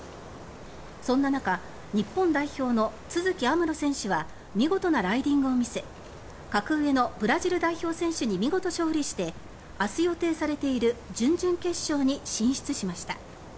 そんな中、日本代表の都筑有夢路選手は見事なライディングを見せ格上のブラジル代表選手に見事、勝利して明日予定されている準々決勝に進出しました。